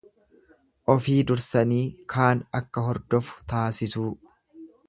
Ofii dursanii kaan akka hordofu taasisuu.